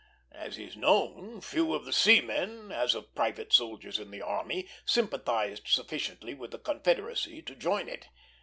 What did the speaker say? As is known, few of the seamen, as of private soldiers in the army, sympathized sufficiently with the Confederacy to join it.